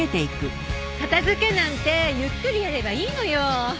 片付けなんてゆっくりやればいいのよ。